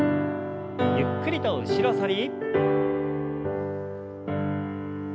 ゆっくりと後ろ反り。